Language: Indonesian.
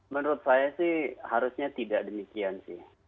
menurut saya sih harusnya tidak demikian sih